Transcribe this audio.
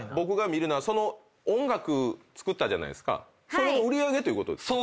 それの売り上げということ？